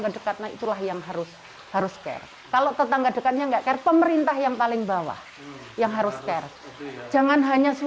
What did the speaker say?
puskesmas tidak pernah menanyakan